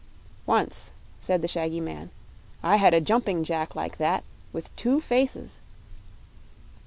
"Once," said the shaggy man, "I had a jumping jack like that, with two faces."